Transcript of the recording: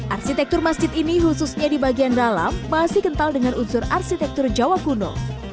arsitektur masjid ini khususnya di bagian dalam masih kental dengan unsur arsitektur jawa kuno